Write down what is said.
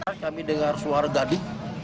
kami dengar suara dadi